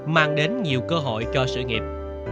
mang đến nhiều cơ hội cho sự nghiệp